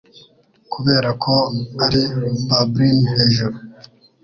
Kuberako ari bubblin 'hejuru